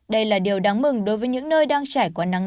đây là điều đáng mừng đối với những nơi đang trải qua nắng